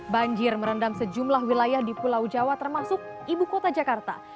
banjir merendam sejumlah wilayah di pulau jawa termasuk ibu kota jakarta